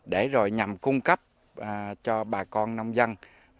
để rồi nhằm cung cấp cho bà con nông dân